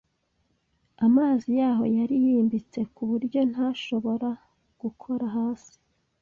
Amazi yaho yari yimbitse kuburyo ntashobora gukora hasi.